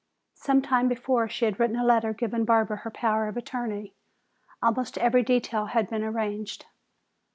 Some time before she had written a letter giving Barbara her power of attorney. Almost every detail had been arranged.